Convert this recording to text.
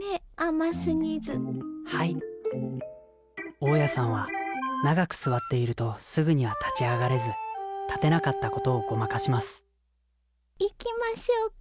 大家さんは長く座っているとすぐには立ち上がれず立てなかったことをごまかします行きましょうか。